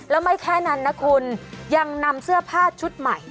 แล้วไม่แค่นั้นนะคุณยังนำเสื้อผ้าชุดใหม่